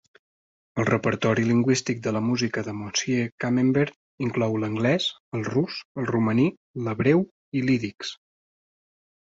El repertori lingüístic de la música de Monsieur Camembert inclou l'anglès, el rus, el romaní, l'hebreu i l'ídix.